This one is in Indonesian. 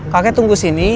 kakek tunggu sini